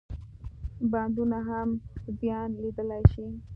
بندونه هم زیان لیدلای شي.